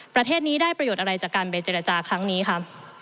ประเทศนี้ได้ประโยชน์อะไรจากการไปเจรจาครั้งนี้ครับ